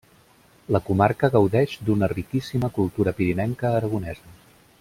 La comarca gaudeix d'una riquíssima cultura pirinenca aragonesa.